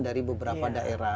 dapatkan dari beberapa daerah